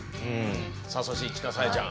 さあそして市川紗椰ちゃん